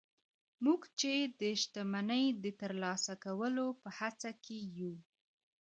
موږ چې د شتمني د ترلاسه کولو په هڅه کې يو.